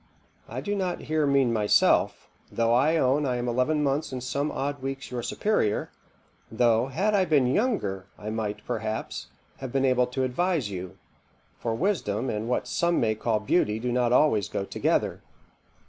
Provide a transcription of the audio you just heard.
I do not here mean myself, though I own I am eleven months and some odd weeks your superior; though, had I been younger, I might, perhaps, have been able to advise you; for wisdom and what some may call beauty do not always go together.